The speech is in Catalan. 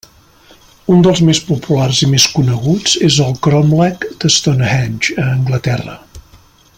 Un dels més populars i més coneguts és el cromlec de Stonehenge, a Anglaterra.